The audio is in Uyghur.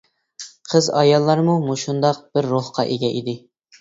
قىز-ئاياللارمۇ مۇشۇنداق بىر روھقا ئىگە ئىدى.